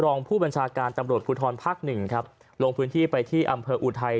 รองผู้บัญชาการตำรวจภูทรภาคหนึ่งครับลงพื้นที่ไปที่อำเภออุทัย